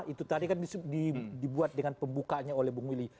itu tadi kan dibuat dengan pembukanya oleh bung willy